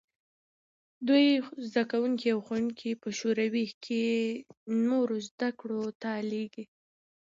دوی زدکوونکي او ښوونکي په شوروي کې نورو زدکړو ته لېږل.